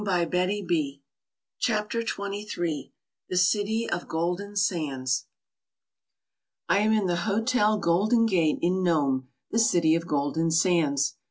182 CHAPTER XXIII THE CITY OF GOLDEN SANDS I AM in the Hotel Golden Gate in Nome, the City of Golden Sands.